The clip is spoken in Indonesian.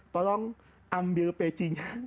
tolong ambil pecinya